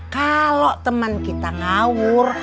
kalau teman kita ngawur